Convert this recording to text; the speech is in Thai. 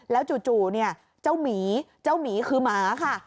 แล้วจู่เนี่ยเจ้าหมีเจ้าหมีคือหมาค่ะ